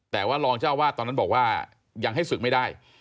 แต่ว่ารองเจ้าวาดตอนนั้นบอกว่ายังให้ศึกไม่ได้